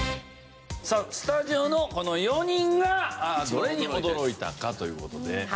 さあスタジオのこの４人がどれに驚いたかという事で。